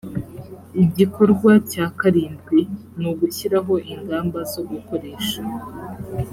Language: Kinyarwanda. igikorwa cya karindwi ni ugushyiraho ingamba zo gukoresha